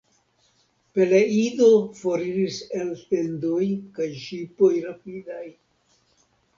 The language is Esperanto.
Peleido foriris al tendoj kaj ŝipoj rapidaj.